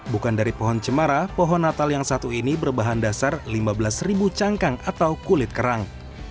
bukan dari pohon cemara pohon natal yang satu ini berbahan dasar lima belas cangkang atau kulit kerang